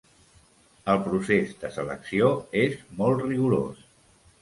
El procés de selecció és molt rigorós.